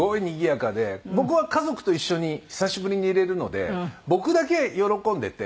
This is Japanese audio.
僕は家族と一緒に久しぶりにいれるので僕だけ喜んでて。